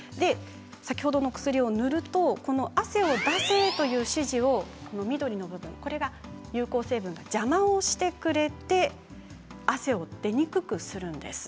先ほどの薬を塗ると汗を出せという指示を緑の部分これが有効成分が邪魔をしてくれて汗を出にくくするんです。